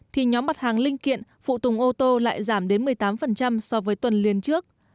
thì nhóm mặt hàng linh kiện phụ tùng ô tô lại giảm đến một mươi tám so với tuần liên trước